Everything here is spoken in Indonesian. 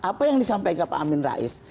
apa yang disampaikan pak amin rais